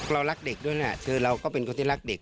รักเด็กด้วยนะคือเราก็เป็นคนที่รักเด็ก